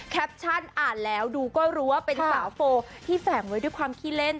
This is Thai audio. แคปชั่นอ่านแล้วดูก็รู้ว่าเป็นสาวโฟที่แฝงไว้ด้วยความขี้เล่น